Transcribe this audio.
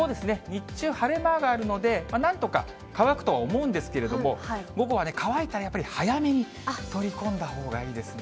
日中、晴れ間があるので、なんとか乾くとは思うんですけれども、午後はね、乾いたら早めに取り込んだほうがいいですね。